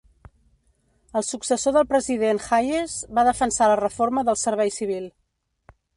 El successor del president Hayes, va defensar la reforma del Servei Civil.